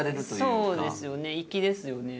そうですよね。